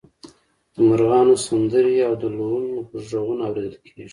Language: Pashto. د مرغانو سندرې او د لوون غږونه اوریدل کیږي